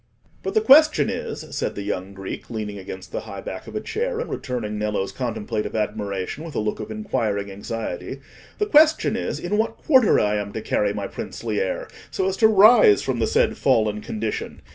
"But the question is," said the young Greek, leaning against the high back of a chair, and returning Nello's contemplative admiration with a look of inquiring anxiety; "the question is, in what quarter I am to carry my princely air, so as to rise from the said fallen condition.